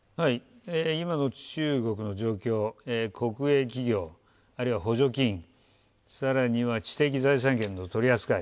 今の中国の状況、国営企業、あるいは補助金、さらには知的財産権の取り扱い。